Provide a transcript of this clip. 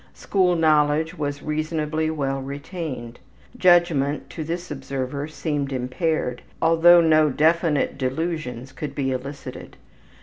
School knowledge was reasonably well retained. Judgment, to this observer, seemed impaired, although no definite delusions could be elicited.